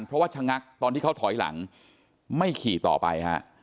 เพราะว่าชะงักตอนที่เขาถอยหลังไม่ขี่ต่อไปฮะ